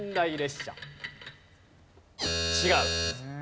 違う。